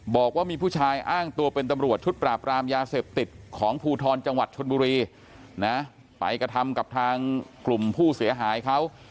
บอกว่ามีผู้ชายอ้างตัวเป็นตำรวจชุดปราบรามยาเสพติดของภูทรจังหวัดชนบุรีนะไปกระทำกับทางกลุ่มผู้เสียหายเขา